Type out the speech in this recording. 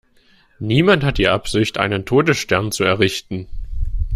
Niemand hat die Absicht, einen Todesstern zu errichten!